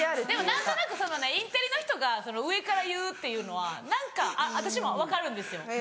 でも何となくインテリの人が上から言うってのは何か私も分かるんですよ。